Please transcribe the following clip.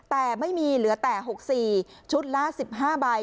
แต่ไม่มีเหลือแต่๖๔ชุดละ๑๕ใบ